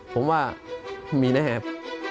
ผมว่ามีแน่ครับ